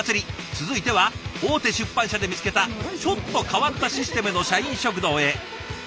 続いては大手出版社で見つけたちょっと変わったシステムの社員食堂へ。